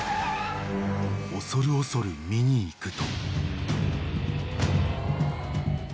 ［恐る恐る見に行くと］